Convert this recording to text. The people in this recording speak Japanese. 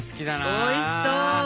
おいしそう！